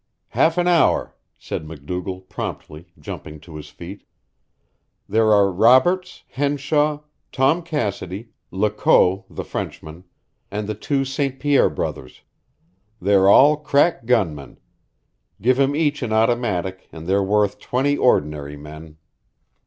"Half an hour," said MacDougall, promptly, jumping to his feet. "There are Roberts, Henshaw, Tom Cassidy, Lecault, the Frenchman, and the two St. Pierre brothers. They're all crack gun men. Give 'em each an automatic and they're worth twenty ordinary men."